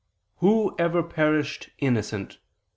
"Who ever perished innocent?